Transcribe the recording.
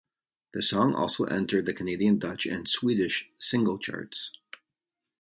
The song also entered the Canadian, Dutch and Swedish single charts.